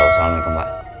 halo assalamualaikum pak